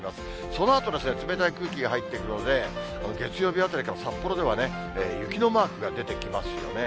そのあと、冷たい空気が入ってくるので、月曜日あたりから札幌では、雪のマークが出てきますよね。